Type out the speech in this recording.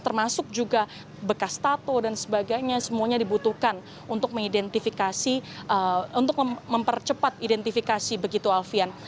termasuk juga bekas tattoo dan sebagainya semuanya dibutuhkan untuk mempercepat identifikasi begitu alfian